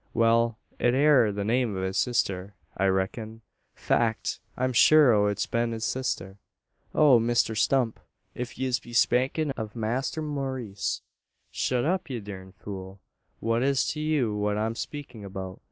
"Wal, it air the name o' his sister, I reck'n. Fact, I'm sure o' it bein' his sister." "Oh! Misther Stump. If yez be spakin' av Masther Maurice " "Shut up, ye durned fool! What is't to you what I'm speakin' beout?